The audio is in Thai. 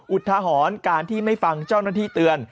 อุทหรณ์การที่ไม่ฟังเจ้าหน้าที่เตือน